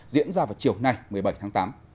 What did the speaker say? diễn ra vào chiều nay một mươi bảy tháng tám